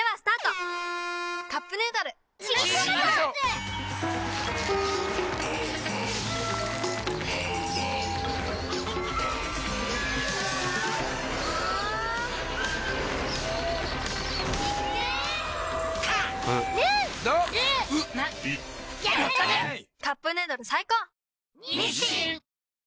「カップヌードル」最高！